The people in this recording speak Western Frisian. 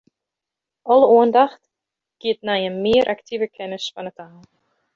Alle oandacht giet nei in mear aktive kennis fan 'e taal.